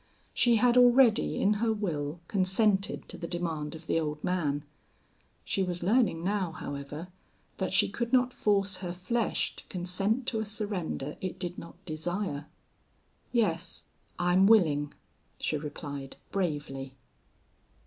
She had already in her will consented to the demand of the old man; she was learning now, however, that she could not force her flesh to consent to a surrender it did not desire. "Yes, I'm willing," she replied, bravely.